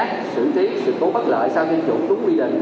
xử trí sự tố bất lợi sau tiêm chủng đúng quy định